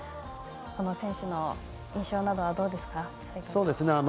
選手の印象などはどうですか？